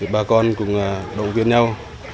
bà con cùng đồng viên nhau